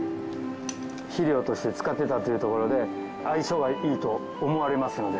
肥料として使ってたっていうところで相性がいいと思われますので。